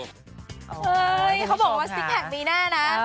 เฮ้ยเขาบอกว่าซิกแพคมีแน่นะ